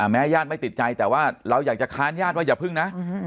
ญาติไม่ติดใจแต่ว่าเราอยากจะค้านญาติว่าอย่าพึ่งนะ